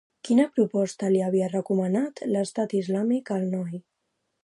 Quina proposta li havia recomanat l'Estat Islàmic al noi?